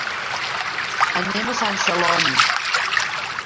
Anem a Sant Celoni.